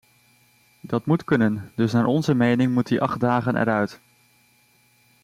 Dat moet kunnen, dus naar onze mening moet die acht dagen eruit.